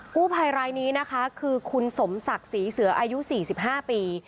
ผู้ภัยรายนี้นะคะคือคุณสมศักดิ์ศรีเสืออายุ๔๕ปี